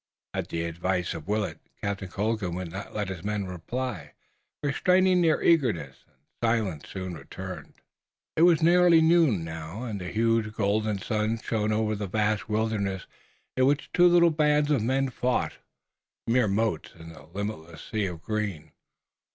At the advice of Willet, Captain Colden would not let his men reply, restraining their eagerness, and silence soon returned. It was nearly noon now and a huge golden sun shone over the vast wilderness in which two little bands of men fought, mere motes in the limitless sea of green.